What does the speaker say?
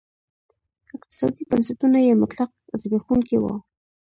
اقتصادي بنسټونه یې مطلق زبېښونکي وو.